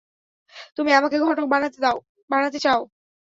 তুমি আমাকে ঘটক বানাতে চাও।